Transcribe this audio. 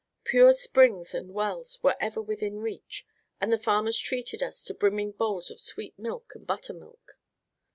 Pure springs and wells were ever within reach, and the farmers treated us to brimming bowls of sweet milk and buttermilk.